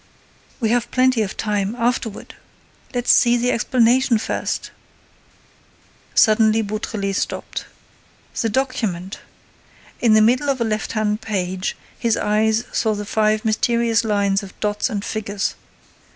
"We have plenty of time—afterward—let's see the explanation first—" Suddenly Beautrelet stopped. The document! In the middle of a left hand page, his eyes saw the five mysterious lines of dots and figures!